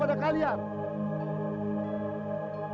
sekarang baru ironi sudah menambah